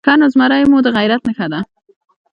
_ښه نو، زمری مو د غيرت نښه ده؟